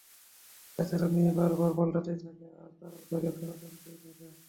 বেচারা মেয়ে বারবার পালাতেই থাকে, আর তারাও তাকে ফেরত আনতেই থাকে।